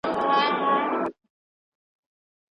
ایا زیاته ډوډۍ ماڼۍ ته یوړل سوه؟